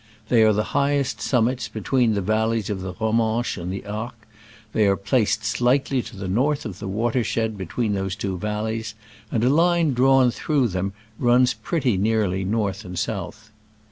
They are the highest summits between the valleys of the Romanche and the Arc: they are placed slightly to the north of the wa tershed between those two valleys, and a line drawn through them runs pretty nearly north and south.